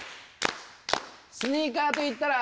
スニーカーと言ったら。